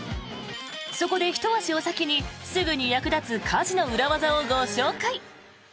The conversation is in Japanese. そこで、ひと足お先にすぐに役立つ家事の裏技をご紹介。